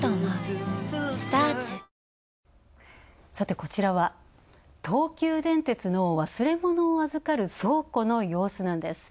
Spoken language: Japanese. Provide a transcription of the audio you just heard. こちらは東急電鉄の忘れ物を預かる倉庫の様子です。